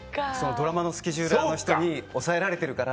ドラマのスケジューラーの人に押さえられてるから。